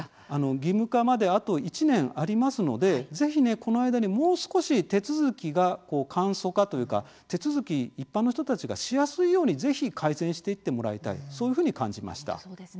義務化まであと１年ありますのでぜひ、この間にもう少し手続きが簡素化というか手続き、一般の人たちがしやすいようにぜひ改善していってもらいたいそういうふうに感じました。